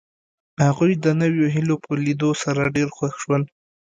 هغوی د نویو هیلو په لیدو سره ډېر خوښ شول